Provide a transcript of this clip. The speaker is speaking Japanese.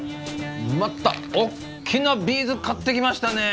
またおっきなビーズ買ってきましたね。